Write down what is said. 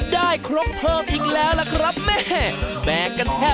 ได้ครบเพิ่มอีกแล้วล่ะครับแม่แบกกันแทบ